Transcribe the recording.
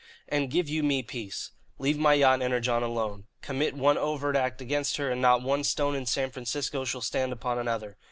And give you me peace. Leave my yacht Energon alone. Commit one overt act against her and not one stone in San Francisco shall stand upon another.